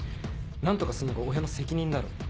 何とかすんのが親の責任だろ。